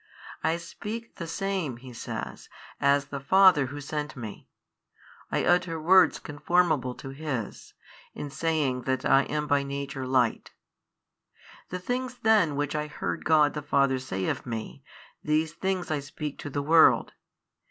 I speak the same (He says) as the Father Who sent Me, I utter words conformable to His, in saying that I am by Nature Light. The things then which I heard God the Father say of Me, these things I speak to the world.